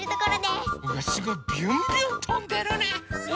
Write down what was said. すごいビュンビュンとんでるね！